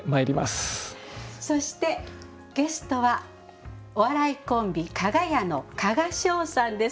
そしてゲストはお笑いコンビかが屋の加賀翔さんです。